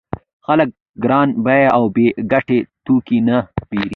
خلک ګران بیه او بې ګټې توکي نه پېري